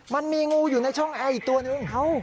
มันมีงูอยู่ในช่องแอร์อีกตัวนึง